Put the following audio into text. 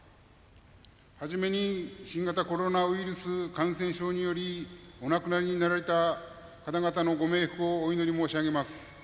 初めに新型コロナウイルス感染症によりお亡くなりになられた方々のご冥福を、お祈り申し上げます。